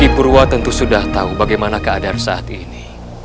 purwa tentu sudah tahu bagaimana keadaan saat ini